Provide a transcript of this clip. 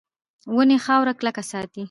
ونې خاوره کلکه ساتي.